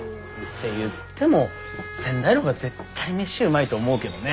言っても仙台の方が絶対飯うまいと思うけどね。